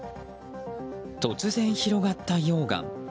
突然広がった溶岩。